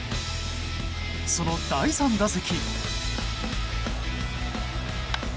その第３打席。